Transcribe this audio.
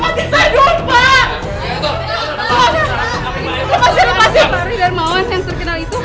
pak saya melepasi pak ridha armawan yang terkenal itu